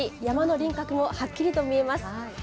山の輪郭もはっきり見えます。